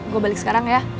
gue balik sekarang ya